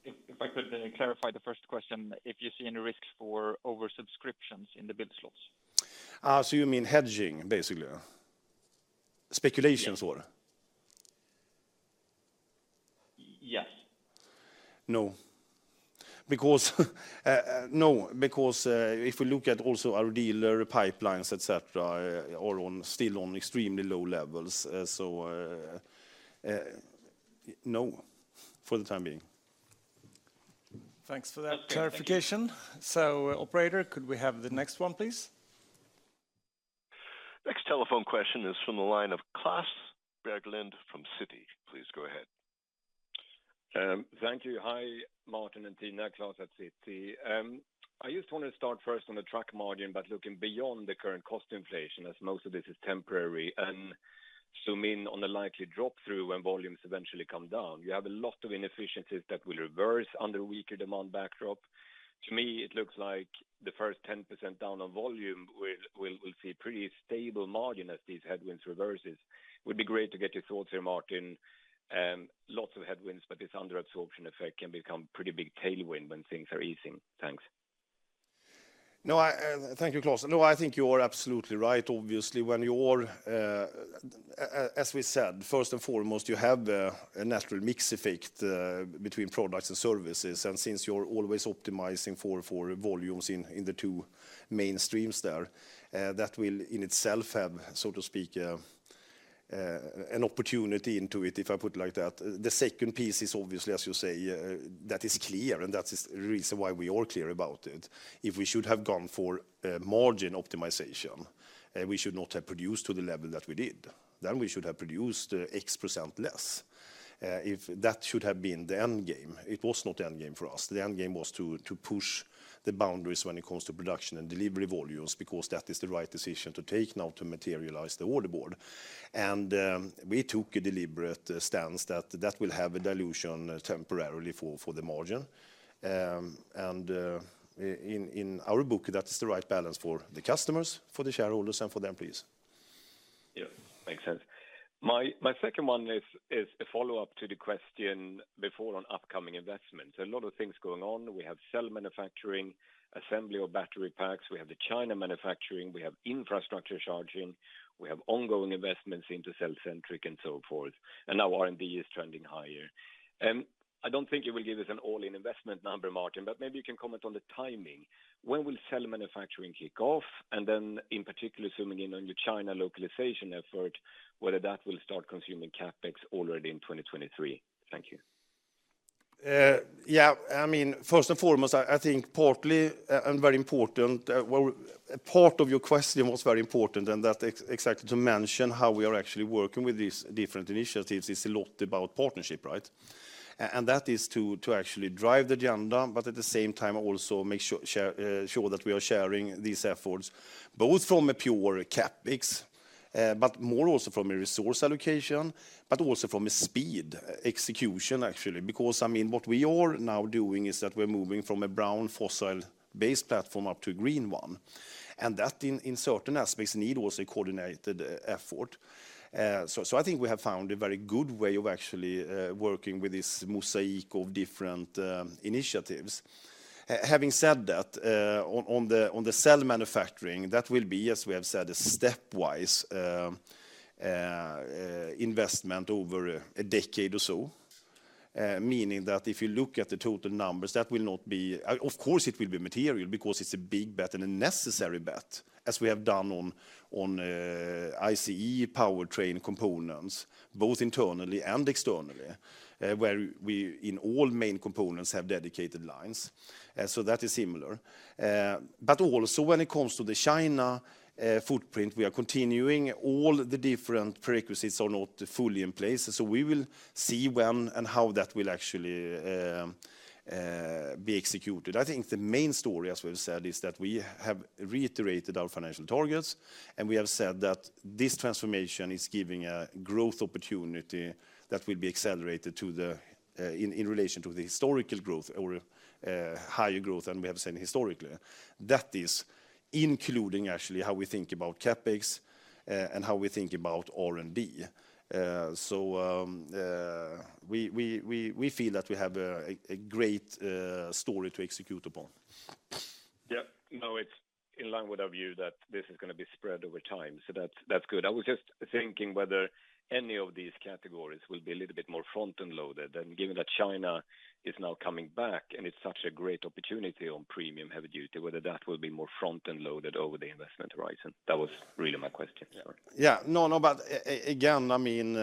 markets as well. All right. Thank you. Just if I could clarify the first question, if you see any risks for over subscriptions in the bid slots? You mean hedging basically? Speculations or? Y-yeah. No. Because if you look at also our dealer pipelines, et cetera, are still on extremely low levels. No, for the time being. Thanks for that clarification. Okay. Thank you. Operator, could we have the next one, please? Next telephone question is from the line of Klas Bergelind from Citi. Please go ahead. Thank you. Hi, Martin and Tina. Klas at Citi. I just want to start first on the truck margin, but looking beyond the current cost inflation as most of this is temporary, and zoom in on the likely drop through when volumes eventually come down. You have a lot of inefficiencies that will reverse under weaker demand backdrop. To me, it looks like the first 10% down on volume will see pretty stable margin as these headwinds reverses. Would be great to get your thoughts here, Martin. Lots of headwinds, but this under absorption effect can become pretty big tailwind when things are easing. Thanks. No, I think you are absolutely right, obviously, when you're, as we said, first and foremost, you have a natural mix effect between products and services. Since you're always optimizing for volumes in the two mainstreams there, that will in itself have, so to speak, an opportunity into it, if I put it like that. The second piece is obviously, as you say, that is clear, and that is the reason why we are clear about it. If we should have gone for margin optimization, we should not have produced to the level that we did, then we should have produced X percentage less. If that should have been the end game, it was not the end game for us. The end game was to push the boundaries when it comes to production and delivery volumes, because that is the right decision to take now to materialize the order board. We took a deliberate stance that will have a dilution temporarily for the margin. In our book, that's the right balance for the customers, for the shareholders, and for them, please. Yeah. Makes sense. My second one is a follow-up to the question before on upcoming investments. A lot of things going on. We have cell manufacturing, assembly of battery packs. We have the China manufacturing. We have infrastructure charging. We have ongoing investments into cellcentric and so forth, and now R&D is trending higher. I don't think it will give us an all-in investment number, Martin, but maybe you can comment on the timing. When will cell manufacturing kick off? And then in particular, zooming in on your China localization effort, whether that will start consuming CapEx already in 2023. Thank you. Yeah. I mean, first and foremost, I think partly and very important, well, part of your question was very important, and that, exactly, to mention how we are actually working with these different initiatives is a lot about partnership, right? That is to actually drive the agenda, but at the same time, also make sure that we are sharing these efforts, both from a pure CapEx, but more also from a resource allocation, but also from a speed of execution, actually. Because, I mean, what we are now doing is that we're moving from a brown fossil-based platform up to a green one, and that in certain aspects need also a coordinated effort. I think we have found a very good way of actually working with this mosaic of different initiatives. Having said that, on the cell manufacturing, that will be, as we have said, a stepwise investment over a decade or so, meaning that if you look at the total numbers, that will not be. Of course, it will be material because it's a big bet and a necessary bet, as we have done on ICE powertrain components, both internally and externally, where we in all main components have dedicated lines. So that is similar. But also when it comes to the China footprint, we are continuing. All the different prerequisites are not fully in place, so we will see when and how that will actually be executed. I think the main story, as we've said, is that we have reiterated our financial targets, and we have said that this transformation is giving a growth opportunity that will be accelerated in relation to the historical growth or higher growth than we have seen historically. That is including actually how we think about CapEx, and how we think about R&D. We feel that we have a great story to execute upon. Yeah. No, it's in line with our view that this is gonna be spread over time, so that's good. I was just thinking whether any of these categories will be a little bit more front-end loaded. Given that China is now coming back, and it's such a great opportunity on premium heavy duty, whether that will be more front-end loaded over the investment horizon. That was really my question. Sorry. Yeah. No, no. Again, I mean,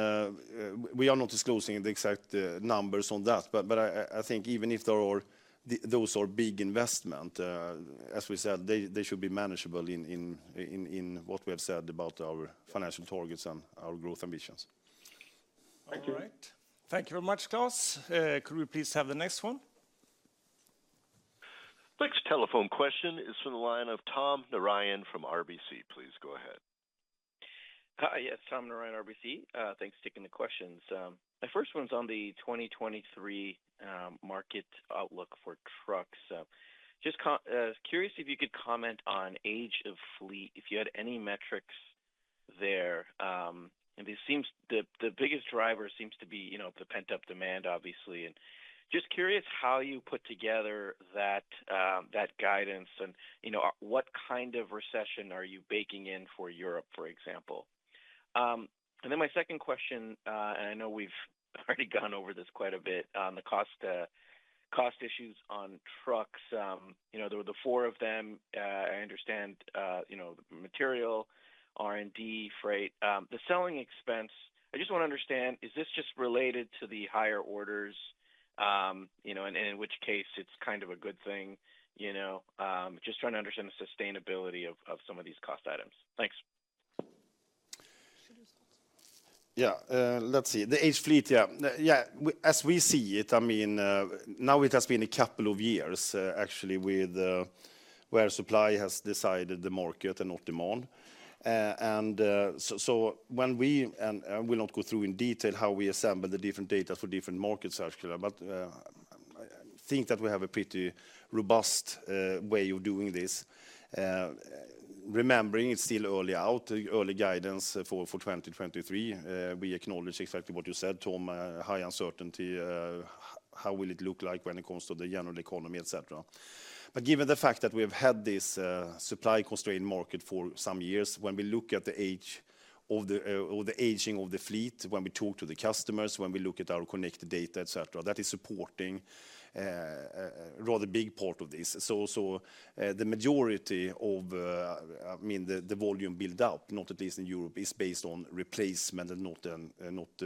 we are not disclosing the exact numbers on that, but I think those are big investments, as we said. They should be manageable in what we have said about our financial targets and our growth ambitions. Thank you. All right. Thank you very much, Klas. Could we please have the next one? Next telephone question is from the line of Tom Narayan from RBC. Please go ahead. Hi. Yes, Tom Narayan, RBC. Thanks for taking the questions. My first one's on the 2023 market outlook for trucks. So just curious if you could comment on age of fleet, if you had any metrics there. It seems the biggest driver seems to be, you know, the pent-up demand, obviously. Just curious how you put together that guidance and, you know, what kind of recession are you baking in for Europe, for example? My second question, and I know we've already gone over this quite a bit, on the cost issues on trucks. You know, there were the four of them, I understand, you know, material, R&D, freight. The selling expense, I just wanna understand, is this just related to the higher orders? You know, in which case it's kind of a good thing, you know. Just trying to understand the sustainability of some of these cost items. Thanks. Should I start? As we see it, I mean, now it has been a couple of years, actually, where supply has decided the market and not demand. I will not go through in detail how we assemble the different data for different markets, actually. I think that we have a pretty robust way of doing this. Remembering it's still our early guidance for 2023. We acknowledge exactly what you said, Tom, high uncertainty, how will it look like when it comes to the general economy, et cetera. Given the fact that we have had this supply constrained market for some years, when we look at the age of the fleet or the aging of the fleet, when we talk to the customers, when we look at our connected data, et cetera, that is supporting a rather big part of this. So, the majority of, I mean, the volume build up, not least in Europe, is based on replacement and not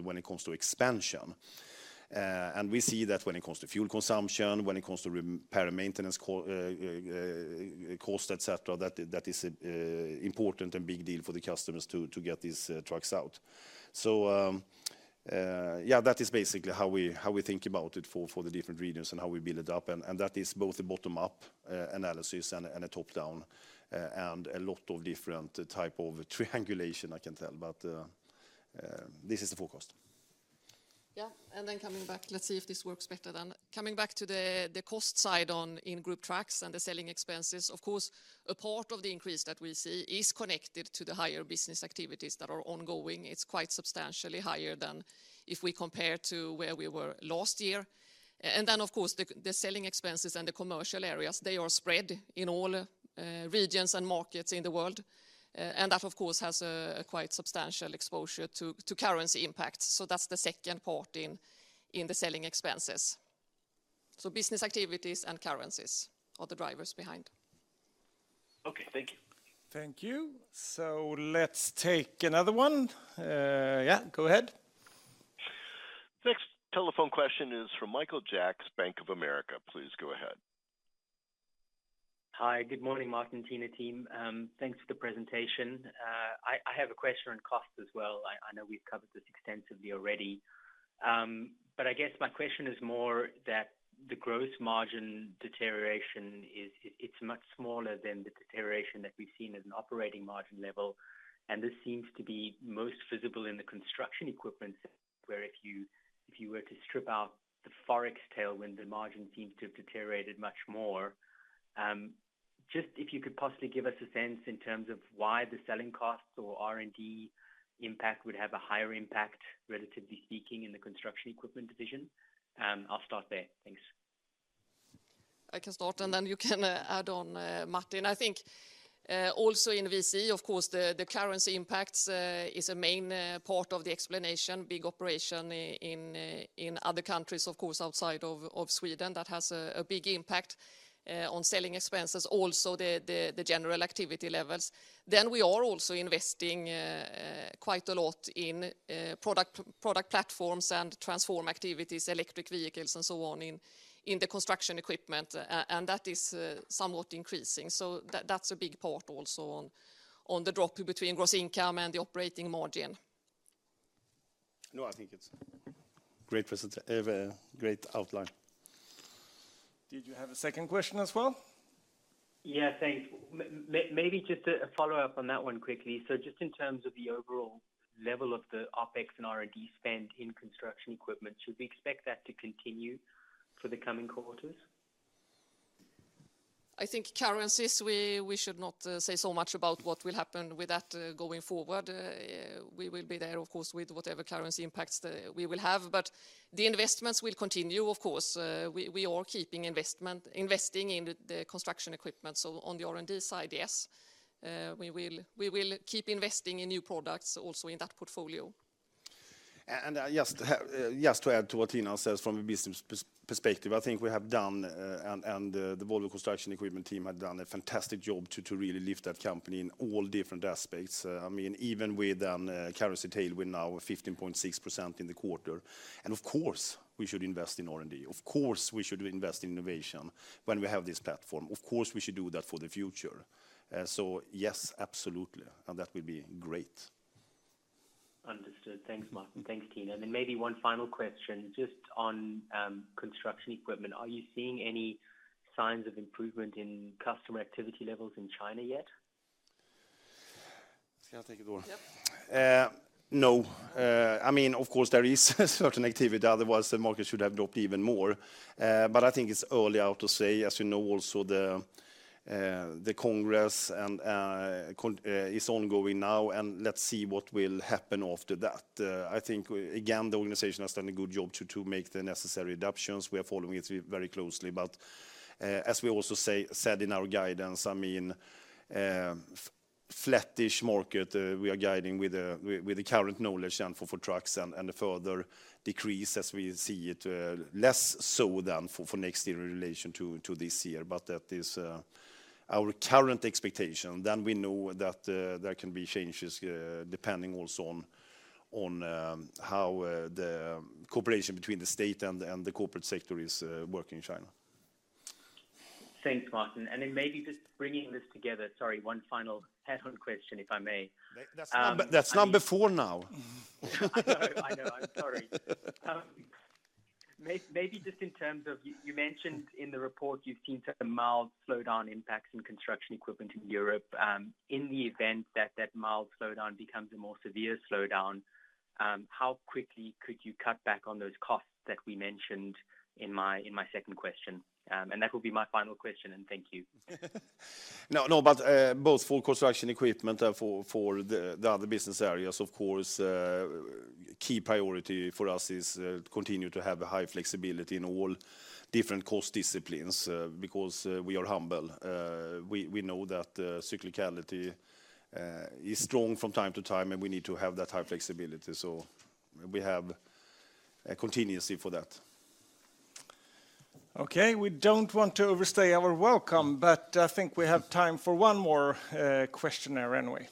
when it comes to expansion. We see that when it comes to fuel consumption, when it comes to power maintenance cost, et cetera, that is important and big deal for the customers to get these trucks out. Yeah, that is basically how we think about it for the different regions and how we build it up. That is both a bottom-up analysis and a top-down and a lot of different type of triangulation, I can tell. This is the forecast. Coming back, let's see if this works better then. Coming back to the cost side in Group Trucks and the selling expenses. Of course, a part of the increase that we see is connected to the higher business activities that are ongoing. It's quite substantially higher than if we compare to where we were last year. Of course, the selling expenses and the commercial areas, they are spread in all regions and markets in the world. That, of course, has a quite substantial exposure to currency impact. That's the second part in the selling expenses. Business activities and currencies are the drivers behind. Okay. Thank you. Thank you. Let's take another one. Yeah, go ahead. Next telephone question is from Michael Jacks, Bank of America. Please go ahead. Hi. Good morning, Martin and Tina team. Thanks for the presentation. I have a question on costs as well. I know we've covered this extensively already. I guess my question is more that the gross margin deterioration is. It's much smaller than the deterioration that we've seen at an operating margin level. This seems to be most visible in the Construction Equipment, where if you were to strip out the Forex tailwind, the margin seems to have deteriorated much more. Just if you could possibly give us a sense in terms of why the selling costs or R&D impact would have a higher impact, relatively speaking, in the Construction Equipment division. I'll start there. Thanks. I can start, and then you can add on, Martin. I think also in VC, of course, the currency impacts is a main part of the explanation. Big operation in other countries, of course, outside of Sweden, that has a big impact on selling expenses, also the general activity levels. We are also investing quite a lot in product platforms and transformation activities, electric vehicles and so on in the construction equipment, and that is somewhat increasing. That is a big part also on the drop between gross income and the operating margin. No, I think it's a great outline. Did you have a second question as well? Yeah. Thanks. Maybe just a follow-up on that one quickly. Just in terms of the overall level of the OpEx and R&D spend in construction equipment, should we expect that to continue for the coming quarters? I think currencies, we should not say so much about what will happen with that, going forward. We will be there of course, with whatever currency impacts that we will have, but the investments will continue, of course. We are keeping investing in the construction equipment. On the R&D side, yes, we will keep investing in new products also in that portfolio. Just to add to what Tina says from a business perspective, I think we have done and the Volvo Construction Equipment team have done a fantastic job to really lift that company in all different aspects. I mean, even with currency tailwind now 15.6% in the quarter, and of course, we should invest in R&D. Of course, we should invest in innovation when we have this platform. Of course, we should do that for the future. So yes, absolutely. That will be great. Understood. Thanks, Martin. Thanks, Tina. Maybe one final question just on construction equipment. Are you seeing any signs of improvement in customer activity levels in China yet? Shall I take it, or? Yep. No. I mean, of course there is certain activity, otherwise the market should have dropped even more. I think it's too early to say, as you know, also the congress and conference is ongoing now, and let's see what will happen after that. I think again, the organization has done a good job to make the necessary reductions. We are following it very closely. As we also said in our guidance, I mean, flattish market, we are guiding with the current knowledge and for trucks and a further decrease as we see it, less so than for next year in relation to this year. That is our current expectation. We know that there can be changes depending also on how the cooperation between the state and the corporate sector is working in China. Thanks, Martin. Maybe just bringing this together. Sorry, one final question, if I may. That's number four now. I know. I'm sorry. Maybe just in terms of you mentioned in the report you've seen a mild slowdown impact in construction equipment in Europe. In the event that mild slowdown becomes a more severe slowdown, how quickly could you cut back on those costs that we mentioned in my second question? That will be my final question, and thank you. No. Both for construction equipment, for the other business areas, of course, key priority for us is continue to have a high flexibility in all different cost disciplines, because we are humble. We know that cyclicality is strong from time to time, and we need to have that high flexibility. We have a contingency for that. Okay. We don't want to overstay our welcome, but I think we have time for one more question there anyway.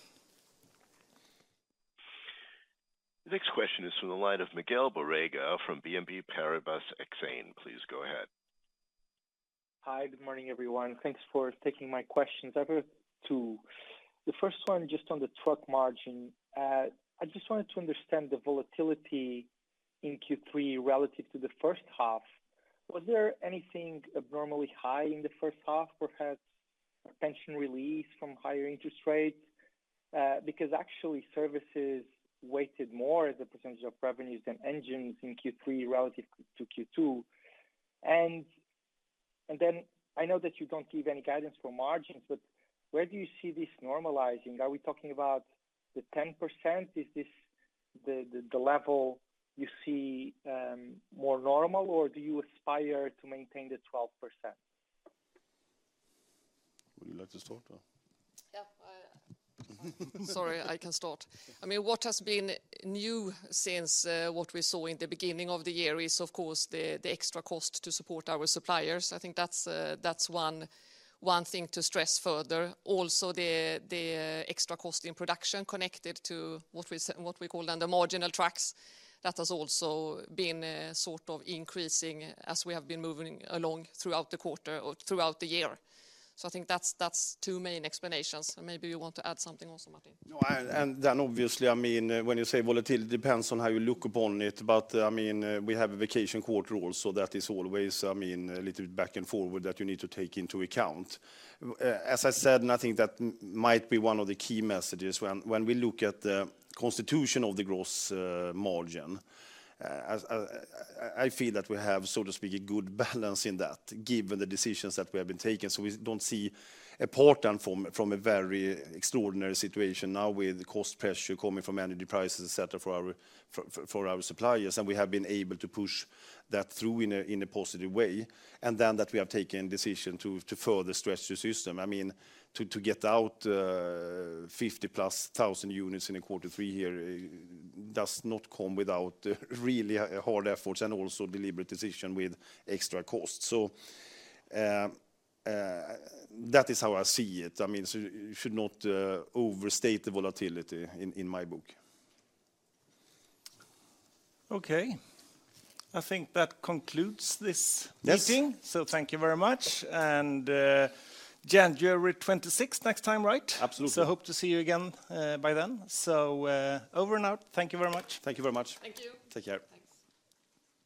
The next question is from the line of Miguel Borrega from BNP Paribas Exane. Please go ahead. Hi, good morning, everyone. Thanks for taking my questions. I have two. The first one just on the truck margin. I just wanted to understand the volatility in Q3 relative to the H1. Was there anything abnormally high in the H1, perhaps a pension release from higher interest rates? Because actually services weighted more as a percentage of revenues than engines in Q3 relative to Q2. Then I know that you don't give any guidance for margins, but where do you see this normalizing? Are we talking about the 10%? Is this the level you see more normal, or do you aspire to maintain the 12%? Would you like to start? Sorry, I can start. I mean, what has been new since what we saw in the beginning of the year is, of course, the extra cost to support our suppliers. I think that's one thing to stress further. Also, the extra cost in production connected to what we call the marginal trucks. That has also been sort of increasing as we have been moving along throughout the quarter or throughout the year. I think that's two main explanations. Maybe you want to add something also, Martin. No. Then obviously, I mean, when you say volatility, it depends on how you look upon it. I mean, we have a vacation quarter also. That is always, I mean, a little back and forth that you need to take into account. As I said, I think that might be one of the key messages when we look at the composition of the gross margin. I feel that we have, so to speak, a good balance in that, given the decisions that we have been taking. We don't see a portent from a very extraordinary situation now with cost pressure coming from energy prices, et cetera, for our suppliers. We have been able to push that through in a positive way. That we have taken decision to further stretch the system. I mean, to get out 50,000+ units in a quarter three here does not come without really hard efforts and also deliberate decision with extra costs. that is how I see it. I mean, you should not overstate the volatility in my book. Okay. I think that concludes this. Meeting. Thank you very much. Jan, you're with 26th next time, right? Absolutely. Hope to see you again by then. Over and out. Thank you very much. Thank you very much. Thank you. Take care. Thanks.